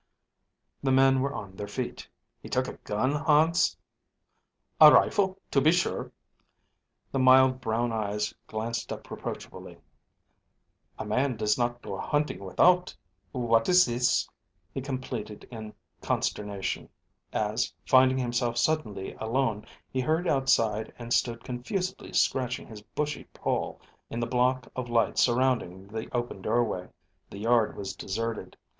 The men were on their feet. "He took a gun, Hans?" "A rifle, to be sure." The mild brown eyes glanced up reproachfully. "A man does not go hunting without ... What is this!" he completed in consternation, as, finding himself suddenly alone, he hurried outside and stood confusedly scratching his bushy poll, in the block of light surrounding the open doorway. The yard was deserted.